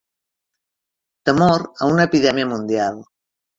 Temor a una epidèmia mundial.